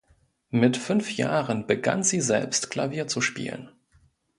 Mit fünf Jahren begann sie selbst Klavier zu spielen.